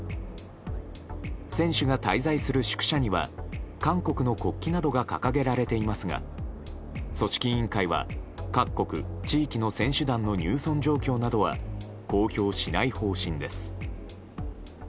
選手が滞在する宿舎には韓国の国旗などが掲げられていますが組織委員会は、各国地域の選手団の入村状況などは公表しない方針です。